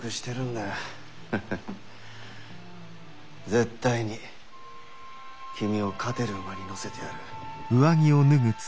絶対に君を勝てる馬に乗せてやる。